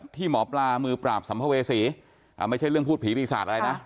ที่หมอปลามือปราบสรรพเวศีอ้ะไม่ใช่เรื่องพูดผีลิสัตว์อะไรนะ